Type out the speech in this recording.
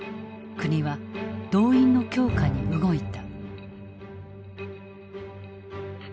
国は動員の強化に動いた。